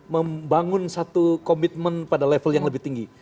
membangun satu komitmen pada level yang lebih tinggi